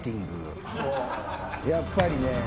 やっぱりね。